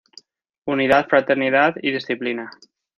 Unidad, fraternidad y disciplina.